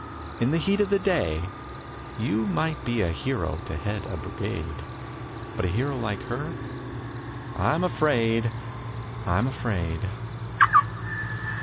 In the heat of the day You might be a hero to head a brigade, But a hero like her? I'm afraid! I'm afraid!